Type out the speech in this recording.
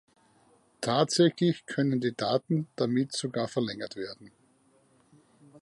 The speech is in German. Tatsächlich können die Daten damit sogar verlängert werden.